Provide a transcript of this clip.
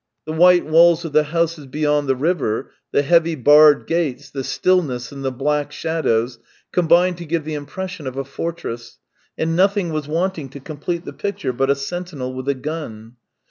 The white walls of the houses beyond the river, the heavy barred gates, the stillness and the black shadows, combined to give the impression of a fortress, and nothing was wanting to complete the picture but a sentinel with a gun.